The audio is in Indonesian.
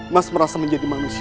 mas merasa menjadi manusia